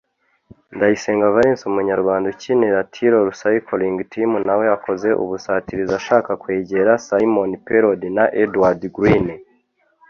Ndayisenga Valens umunyarwanda ukinira Tirol Cycling team nawe akoze ubusatirizi ashaka kwegera Simon Pelaud na Edward Greene